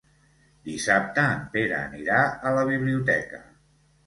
Dissabte en Pere anirà a la biblioteca.